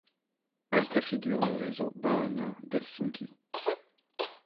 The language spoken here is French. Elle préfigure le réseau Baana d'Helsinki.